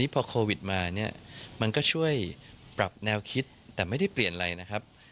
พอโควิดมาเนี่ยมันก็ช่วยปรับแนวคิดแต่ไม่ได้เปลี่ยนอะไรนะครับ